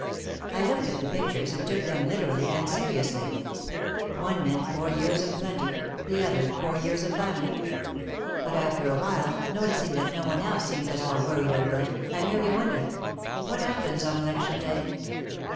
I looked at the pictures and took them literally and seriously. One meant four years of plenty, the other four years of famine. But after a while, noticing that no one else seemed at all worried over it, I merely won dered, "What happens on election day?"